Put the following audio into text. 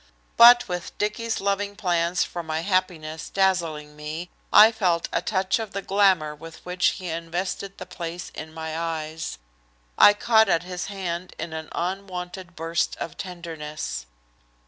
But with Dicky's loving plans for my happiness dazzling me, I felt a touch of the glamour with which he invested the place in my eyes. I caught at his hand in an unwonted burst of tenderness.